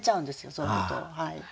そういうことを。